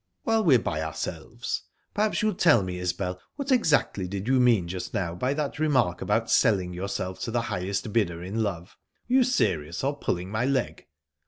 "While we're by ourselves, perhaps you'll tell me, Isbel what exactly did you mean just now by that remark about selling yourself to the highest bidder in love: were you serious, or pulling my leg?"